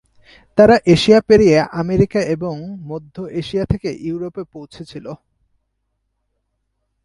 তারা এশিয়া পেরিয়ে আমেরিকা এবং মধ্য এশিয়া থেকে ইউরোপে পৌঁছেছিল।